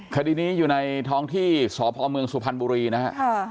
คดีนี้อยู่ในท้องที่สพเมืองสุพรรณบุรีนะฮะ